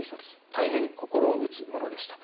大変心を打つものでした。